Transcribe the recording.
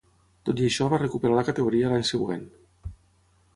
Tot i això va recuperar la categoria l'any següent.